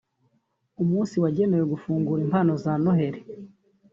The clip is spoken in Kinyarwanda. umunsi wagenewe gufungura impano za Noheli